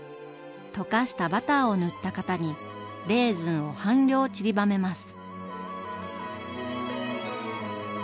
溶かしたバターを塗った型にレーズンを半量ちりばめます。